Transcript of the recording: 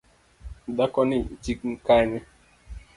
Dhakoni chi Kanye?